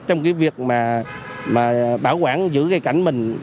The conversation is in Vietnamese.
trong việc bảo quản giữ cây cảnh mình